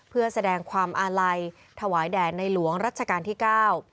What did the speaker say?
เพื่อแสดงความอาลัยถวายแด่ในหลวงรัชกาลที่เก้า